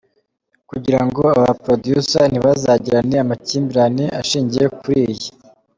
kugirango aba ba producer ntibazagirane amakimbirane ashingiye kuri iyi.